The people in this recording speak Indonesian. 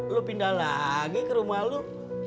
lo pindah lagi ke rumah lo